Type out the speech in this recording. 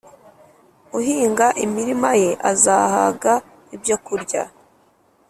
uhinga imirima ye azahaga ibyokurya,